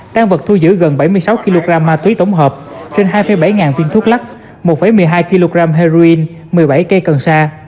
tan vật thu giữ gần bảy mươi sáu kg ma túy tổng hợp trên hai bảy ngàn viên thuốc lắc một một mươi hai kg heroin một mươi bảy cây cần sa